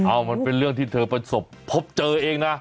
เอามันเป็นเรื่องที่เธอประสบพบเจอเองนะ